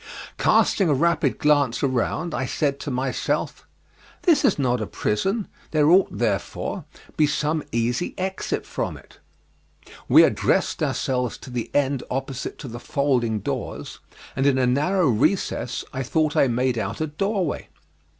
Casting a rapid glance around, I said to myself, "This is not a prison, there ought, therefore, be some easy exit from it." We addressed ourselves to the end opposite to the folding doors, and in a narrow recess I thought I made out a doorway.